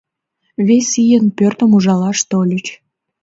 Вес ийын пӧртым ужалаш тольыч.